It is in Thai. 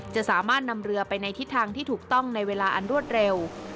จะสามารถนำเรือไปในทิศทางที่ถูกต้องในเวลาอันรวดเร็ว